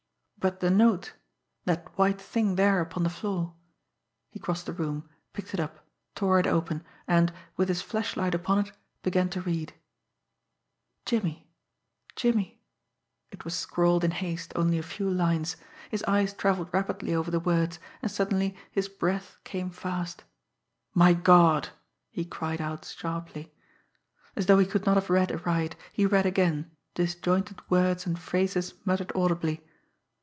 But the note! That white thing there upon the floor! He crossed the room, picked it up, tore it open, and, with his flashlight upon it, began to read. "Jimmie Jimmie " It was scrawled in haste, only a few lines. His eyes travelled rapidly over the words, and suddenly his breath came fast. "My God!" he cried out sharply. As though he could not have read aright, he read again; disjointed words and phrases muttered audibly